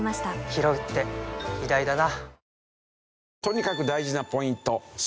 ひろうって偉大だな